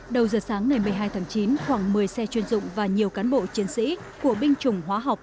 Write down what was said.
đầu giờ sáng ngày một mươi hai tháng chín khoảng một mươi xe chuyên dụng và nhiều cán bộ chiến sĩ của binh chủng hóa học